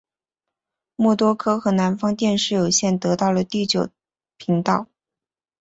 默多克和南方电视有线得到了第九频道。